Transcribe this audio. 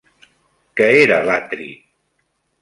Què era l'atri?